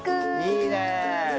いいねえ。